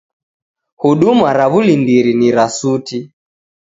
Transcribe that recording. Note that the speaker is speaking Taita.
Huduma ra w'ulindiri ni ra suti.